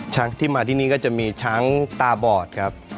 ที่มาที่นี่ก็จะมีช้างตาบอดครับ